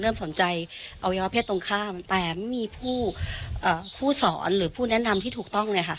สนใจอวัยวะเพศตรงข้ามแต่ไม่มีผู้สอนหรือผู้แนะนำที่ถูกต้องเนี่ยค่ะ